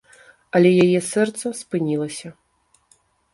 Але яе сэрца спынілася.